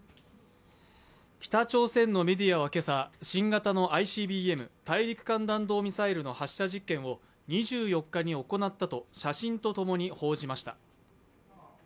北朝鮮のメディアは今朝新型のＩＣＢＭ＝大陸間弾道ミサイルの発射実験を２４日に行ったと写真とともに報じました。